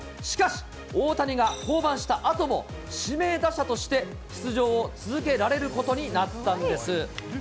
しかし、大谷が降板したあとも、指名打者として、出場を続けられることになったんです。